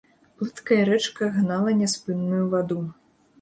Плыткая рэчка гнала няспынную ваду.